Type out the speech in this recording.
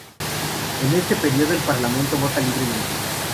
En este sentido, el parlamento vota libremente.